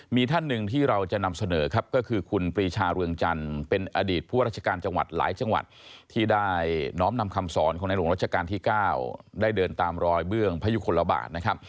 มีท่านหนึ่งที่เราจะนำเสนอครับก็คือคุณปรีชาเรืองจันทร์เป็นอดีตผู้ราชการจังหวัดหลายจังหวัดที่ได้น้อมนำคำสอนของในหลวงรัชกาลที่๙ได้เดินตามรอยเบื้องพยุคลบาทนะครับ